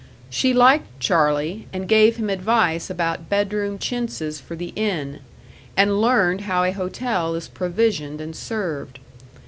She liked Charley, and gave him advice about bedroom chintzes for the inn, and learned how a hotel is provisioned and served.